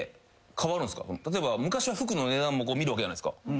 例えば昔は服の値段も見るわけじゃないですか。